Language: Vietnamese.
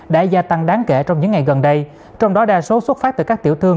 đã gia tăng đáng kể trong những ngày gần đây trong đó đa số xuất phát từ các tiểu thương